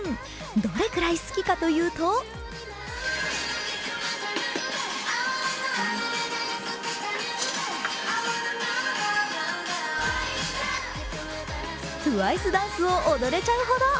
どれくらい好きかというとＴＷＩＣＥダンスを踊れちゃうほど。